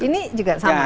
ini juga sama